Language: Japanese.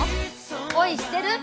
恋してる？